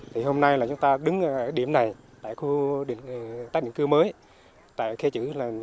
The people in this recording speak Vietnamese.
thì hôm nay là chúng ta đứng ở điểm này tại khu tác định cư mới tại khe chữ